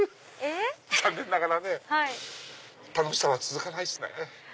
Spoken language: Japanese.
残念ながらね楽しさは続かないですね。